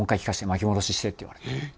巻き戻しして」って言われて。